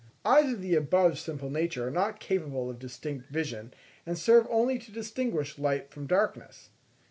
Eyes of the above simple nature are not capable of distinct vision, and serve only to distinguish light from darkness.